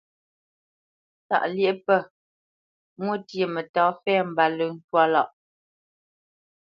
Tâʼ lyeʼ pə, mwô ntyê mətá fɛ̂ mbáləŋ twâ lâʼ.